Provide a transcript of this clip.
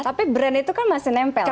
tapi brand itu kan masih nempel